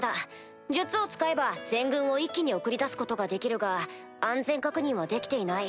術を使えば全軍を一気に送り出すことができるが安全確認はできていない。